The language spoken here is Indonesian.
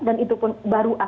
dan itu pun baru akhirnya